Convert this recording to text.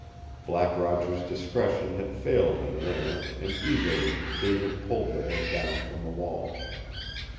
Black Roger's discretion had failed him there, and eagerly David pulled the head down from the wall.